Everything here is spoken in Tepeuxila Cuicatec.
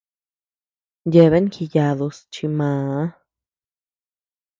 Yeabean jiyadus chi màà.